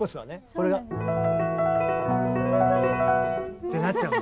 これが。ってなっちゃうんだ。